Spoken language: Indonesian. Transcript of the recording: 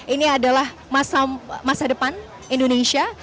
ini adalah masa depan indonesia